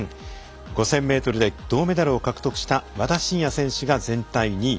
５０００ｍで銅メダルを獲得した和田伸也選手が全体２位。